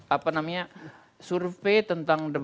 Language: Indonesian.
apa namanya survei tentang